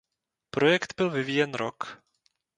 Projekt byl vyvíjen rok.